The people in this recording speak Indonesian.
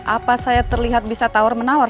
apa saya terlihat bisa tawar menawar